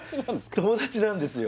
友達なんですよ